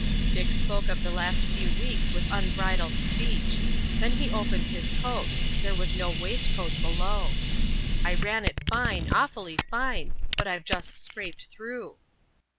Dick spoke of the last few weeks with unbridled speech. Then he opened his coat; there was no waistcoat below. "I ran it fine, awfully fine, but I've just scraped through."